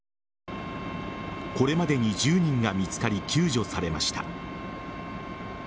これまでに１０人が見つかり救助されました。